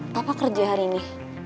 papa kerja hari ini